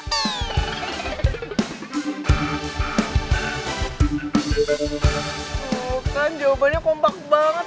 tuh kan jawabannya kompak banget